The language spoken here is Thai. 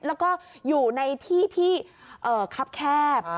แล้วก็อยู่ในที่ที่คับแคบ